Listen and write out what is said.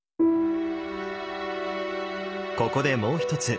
ここでもう一つ